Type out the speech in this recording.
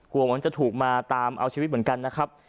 มันจะถูกมาตามเอาชีวิตเหมือนกันนะครับ